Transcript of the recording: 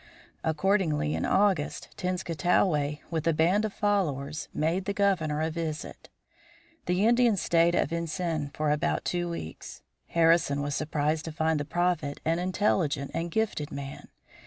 Accordingly, in August, Tenskwatawa, with a band of followers, made the Governor a visit. The Indians stayed at Vincennes for about two weeks. Harrison was surprised to find the Prophet an intelligent and gifted man.